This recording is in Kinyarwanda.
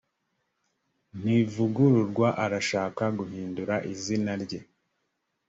ntivugururwa arashaka guhindura izina rye